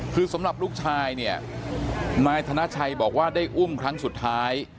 คือสำหรับลูกชายเนี่ยนายธนชัยบอกว่าได้อุ้มครั้งสุดท้าย